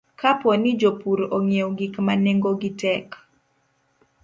Kapo ni jopur ong'iewo gik ma nengogi tek,